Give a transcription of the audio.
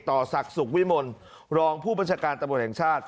ต่อศักดิ์สุขวิมลรองผู้บัญชาการตำรวจแห่งชาติ